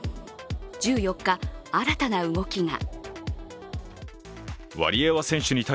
１４日、新たな動きが。